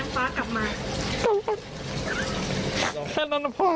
ตอนนี้คือขอลูกคนเล็กน้องแม่งฟ้ากลับมา